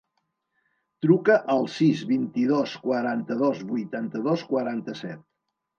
Truca al sis, vint-i-dos, quaranta-dos, vuitanta-dos, quaranta-set.